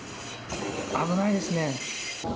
危ないですね。